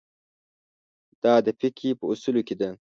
دا د فقهې په اصولو کې ده.